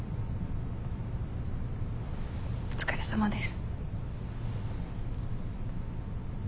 お疲れさまです。